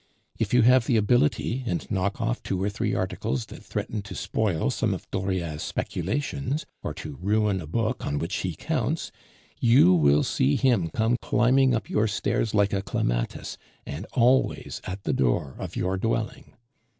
If you have the ability, and knock off two or three articles that threaten to spoil some of Dauriat's speculations, or to ruin a book on which he counts, you will see him come climbing up your stairs like a clematis, and always at the door of your dwelling.